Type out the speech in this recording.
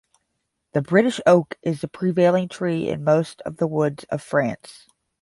The British oak is the prevailing tree in most of the woods of France.